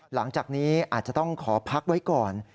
หลังจากนี้อาจจะต้องขอพักไว้ก่อน